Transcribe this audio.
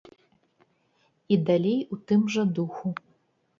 І далей у тым жа духу.